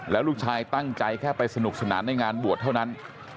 แล้วลูกชายตั้งใจแค่ไปสนุกสนานในงานบวชเท่านั้น